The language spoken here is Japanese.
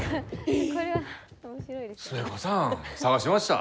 寿恵子さん、捜しました。